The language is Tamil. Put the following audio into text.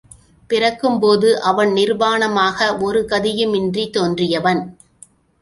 பிறக்கும்போது அவன் நிர்வாணமாக ஒரு கதியுமின்றித் தோன்றியவன்.